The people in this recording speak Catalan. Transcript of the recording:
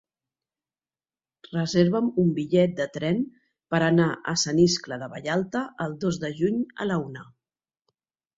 Reserva'm un bitllet de tren per anar a Sant Iscle de Vallalta el dos de juny a la una.